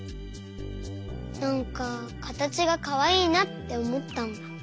なんかかたちがかわいいなっておもったんだ。